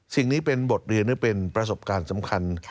สิ่งนี้เป็นบทเรียนและเป็นประสบการณ์สำคัญ